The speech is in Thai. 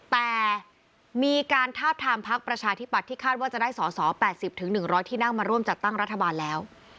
แต่มีการทาบทามพักประชาธิบัติที่คาดว่าจะได้สอสอ๘๐๑๐๐ที่นั่งมาร่วมจัดตั้งรัฐบาลแล้ว